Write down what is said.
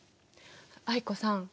藍子さん